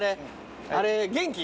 あれ元気？